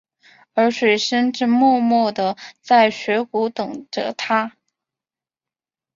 而水笙正默默地在雪谷等着他。